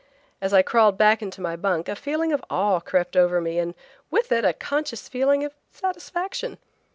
As I crawled back into my bunk a feeling of awe crept over me and with it a conscious feeling of satisfaction.